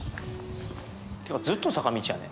今日はずっと坂道やね。